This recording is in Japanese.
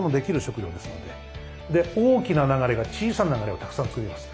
大きな流れが小さな流れをたくさん作ります。